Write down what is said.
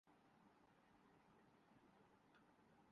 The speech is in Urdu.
باہر جانے سے پہلے بتیاں بجھانا مت بھولئے